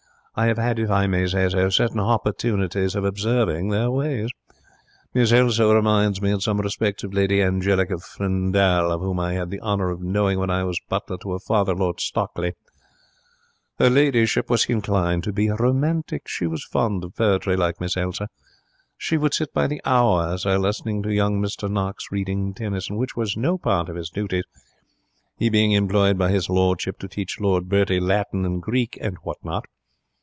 I have had, if I may say so, certain hopportunities of observing their ways. Miss Elsa reminds me in some respects of Lady Angelica Fendall, whom I had the honour of knowing when I was butler to her father, Lord Stockleigh. Her ladyship was hinclined to be romantic. She was fond of poetry, like Miss Elsa. She would sit by the hour, sir, listening to young Mr Knox reading Tennyson, which was no part of his duties, he being employed by his lordship to teach Lord Bertie Latin and Greek and what not.